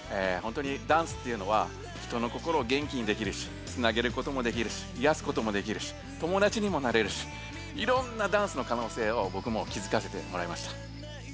ほんとにダンスっていうのは人の心を元気にできるしつなげることもできるしいやすこともできるしともだちにもなれるしいろんなダンスのかのうせいをぼくも気づかせてもらいました。